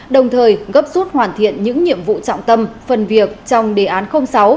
đồng thời gấp rút hoàn thiện những nhiệm vụ trọng tâm phần việc trong đề án sáu